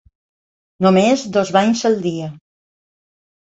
Només dos banys al dia.